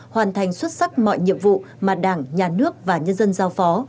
hoàn thành xuất sắc mọi nhiệm vụ mà đảng nhà nước và nhân dân giao phó